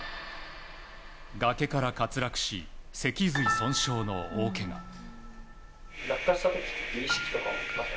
崖から滑落し、脊髄損傷の大けが。